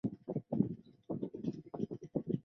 尼尼微省是伊拉克十八省之一。